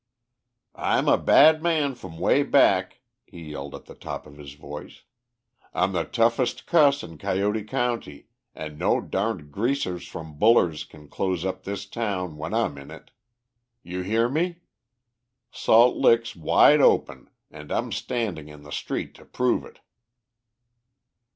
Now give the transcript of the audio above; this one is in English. "I'm a bad man from Way Back," he yelled at the top of his voice. "I'm the toughest cuss in Coyote county, and no darned greasers from Buller's can close up this town when I'm in it. You hear me! Salt Lick's wide open, and I'm standing in the street to prove it."